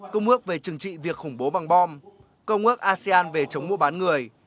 công ước về chừng trị việc khủng bố bằng bom công ước asean về chống mua bán người